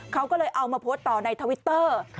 เขาก็เลยเอามาโพสต์ต่อในทวิตเตอร์